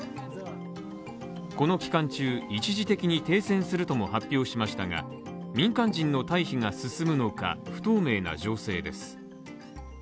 この期間中、一時的に停戦すると発表しましたが、民間人の退避が進むのか不透明な情勢です。